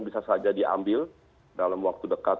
bisa saja diambil dalam waktu dekat